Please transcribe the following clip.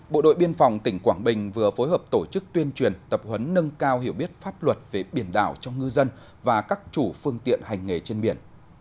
bộ đội biên phòng tỉnh quảng bình vừa phối hợp tổ chức tuyên truyền tập huấn nâng cao hiểu biết pháp luật về biển đảo cho ngư dân và các chủ phương tiện hành nghề trên biển